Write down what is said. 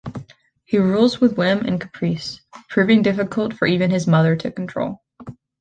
He rules with whim and caprice, proving difficult for even his mother to control.